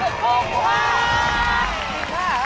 จริงเปล่า